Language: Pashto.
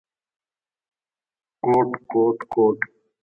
کوټ، کوټ ، کوټ ….